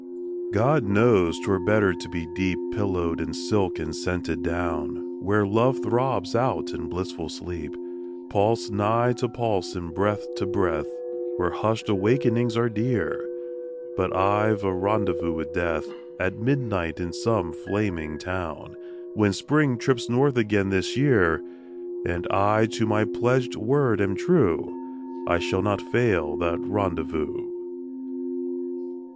God knows 'twere better to be deep Pillowed in silk and scented down, Where Love throbs out in blissful sleep, Pulse nigh to pulse, and breath to breath, Where hushed awakenings are dear ... But I've a rendezvous with Death At midnight in some flaming town, When Spring trips north again this year, And I to my pledged word am true, I shall not fail that rendezvous.